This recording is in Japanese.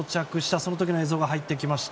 その時の映像が入ってきました。